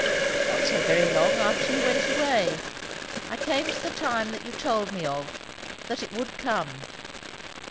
"Not so very long after you went away. I came to the time that you told me of, that it would come."